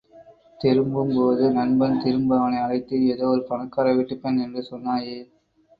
திரும்பும் பொது நண்பன் திரும்ப அவனை அழைத்து, ஏதோ ஒரு பணக்காரவீட்டுப் பெண் என்று சொன்னாயே!